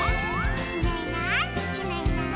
「いないいないいないいない」